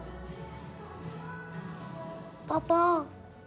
パパ。